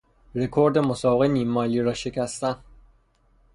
رکورد مسابقهی نیم مایلی را شکستن